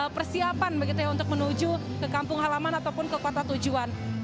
persiapan begitu ya untuk menuju ke kampung halaman ataupun ke kota tujuan